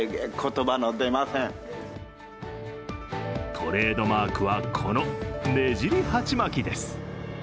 トレードマークはこのねじり鉢巻きです。